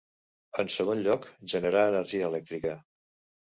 En segon lloc, generar energia elèctrica.